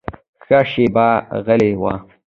ښه شېبه غلی و.